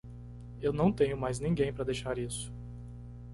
Eu não tenho mais ninguém para deixar isso.